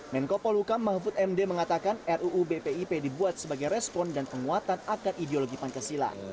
menko polhukam mahfud md mengatakan ruu bpip dibuat sebagai respon dan penguatan akan ideologi pancasila